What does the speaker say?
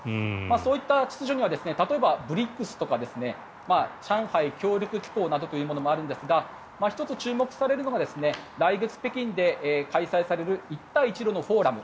そういった秩序には例えばＢＲＩＣＳとか上海協力機構などというものもあるんですが１つ注目されるのが来月、北京で開催される一帯一路のフォーラム。